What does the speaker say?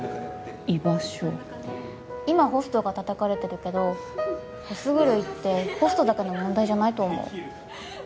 今ホストがたたかれてるけどホス狂いってホストだけの問題じゃないと思う。